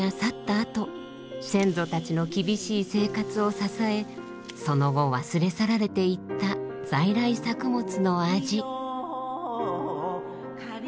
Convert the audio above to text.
あと先祖たちの厳しい生活を支えその後忘れ去られていった在来作物の味。